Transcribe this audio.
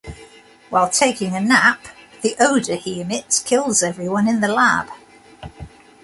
While taking a nap, the odor he emits kills everyone in the Lab.